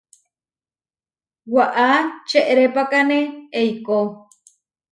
Waʼá čerepákane eikó.